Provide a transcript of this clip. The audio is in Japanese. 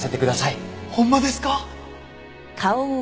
ほんまですか！？